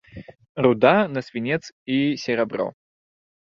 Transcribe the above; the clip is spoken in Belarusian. Руда на свінец і серабро.